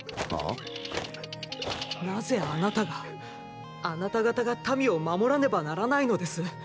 なぜあなたがあなた方が民を守らねばならないのです？